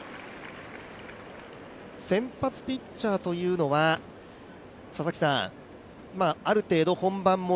先発ピッチャーというのはある程度、本番も